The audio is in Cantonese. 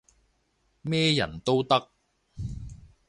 咩人都得